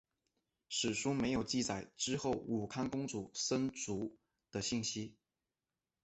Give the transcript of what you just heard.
史书没有记载之后武康公主生卒的信息。